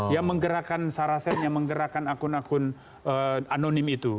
yang menggerakkan sarasen yang menggerakkan akun akun anonim itu